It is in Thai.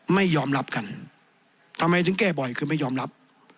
ไม่ยอมรับกันทำไมถึงแก้บ่อยคือไม่ยอมรับ